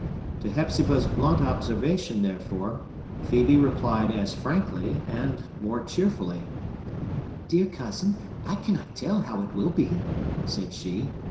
To Hepzibah's blunt observation, therefore, Phœbe replied as frankly, and more cheerfully. "Dear cousin, I cannot tell how it will be," said she.